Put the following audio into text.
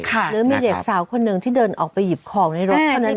หรือมีเด็กสาวคนหนึ่งที่เดินออกไปหยิบของในรถเท่านั้นเอง